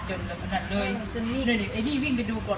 ที่คนเดียวจัดภัยอีกล้องของพวก